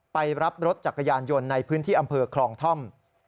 ไปรับรถจักรยานยนต์ในพื้นที่อำเภอคลองท่อม